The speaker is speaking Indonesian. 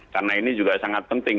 karena ini juga sangat penting